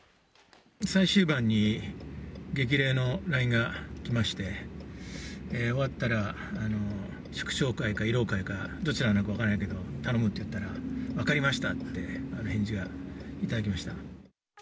最終盤に激励のＬＩＮＥが来まして、終わったら祝勝会か慰労会か、どちらになるか分からないけど、頼むって言ったら、分かりましたって返事は頂きました。